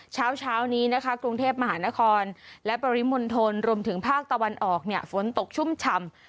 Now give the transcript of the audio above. เช้านี้นะคะกรุงเทพมหานครและปริมณฑลรวมถึงภาคตะวันออกเนี่ยฝนตกชุ่มฉ่ำ